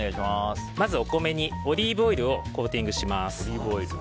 まず、お米にオリーブオイルをコーティングします。